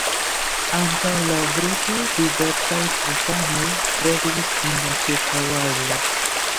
Antaŭ la britoj diversaj sultanoj regis en la ĉirkaŭaĵo.